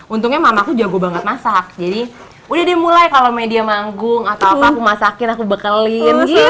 untungnya mamaku jago banget masak jadi udah dimulai kalau media manggung atau apa aku masakin aku bekelin